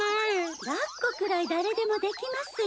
抱っこくらい誰でもできますよ。